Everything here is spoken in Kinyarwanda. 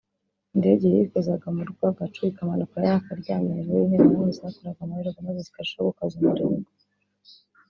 Indege yikozaga mu ry’agacu ikamanuka yakaryamye hejuru y’Interahamwe zakoraga amarorerwa maze zikarushaho gukaza umurego